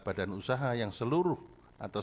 badan usaha yang seluruh atau